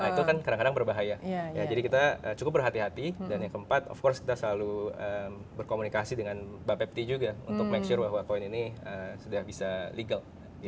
nah itu kan kadang kadang berbahaya jadi kita cukup berhati hati dan yang keempat of course kita selalu berkomunikasi dengan bapepti juga untuk make sure bahwa koin ini sudah bisa legal